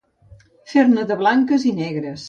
Fer-ne de blanques i negres.